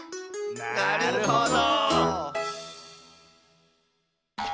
なるほど。